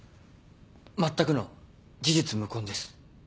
まったくの事実無根です。